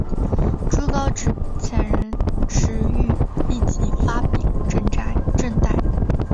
朱高炽遣人驰谕立即发廪赈贷。